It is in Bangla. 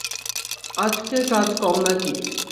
আজকে কাজ কম নাকি?